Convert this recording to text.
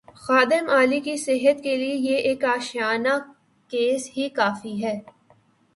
خادم اعلی کی صحت کیلئے یہ ایک آشیانہ کیس ہی کافی ہے۔